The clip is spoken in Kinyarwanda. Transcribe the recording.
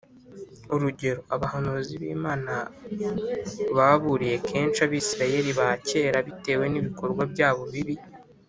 Urugero, abahanuzi b’Imana baburiye kenshi Abisirayeli ba kera bitewe n’ibikorwa byabo bibi